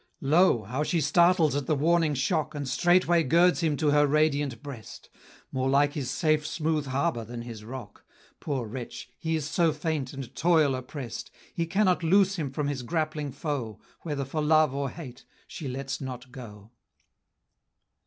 Lo! how she startles at the warning shock, And straightway girds him to her radiant breast, More like his safe smooth harbor than his rock; Poor wretch, he is so faint and toil opprest, He cannot loose him from his grappling foe, Whether for love or hate, she lets not go.